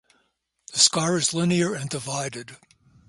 The scar is linear and divided.